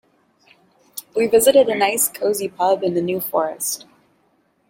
We visited a nice cosy pub in the New Forest.